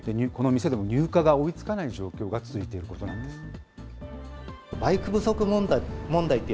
この店でも入荷が追いつかない状況が続いているということなんです。